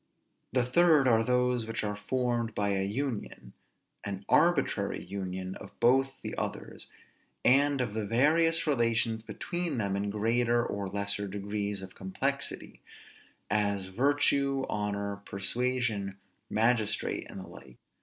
The third are those which are formed by an union, an arbitrary union of both the others, and of the various relations between them in greater or lesser degrees of complexity; as virtue, honor, persuasion, magistrate, and the like.